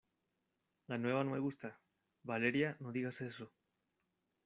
la nueva no me gusta. Valeria, no digas eso